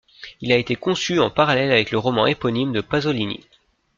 Il a été conçu en parallèle avec le roman éponyme de Pasolini.